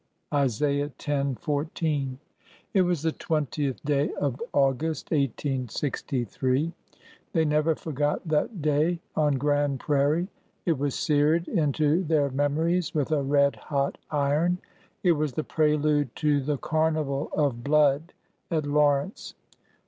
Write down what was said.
ISA. x. 14. I T was the twentieth day of August, 1863. _ They never forgot that day on Grand Prairie. It was seared into their memories with a red hot iron. It was the prelude to the carnival of blood at Lawrence.